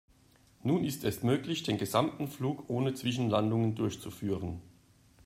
Nun ist es möglich, den gesamten Flug ohne Zwischenlandungen durchzuführen.